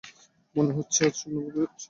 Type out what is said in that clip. মনে হচ্ছে আজ অন্য পথে যাচ্ছো?